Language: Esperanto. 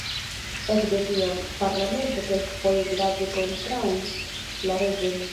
Ekde tiam, parlamento kelkfoje grave kontraŭis la reĝon.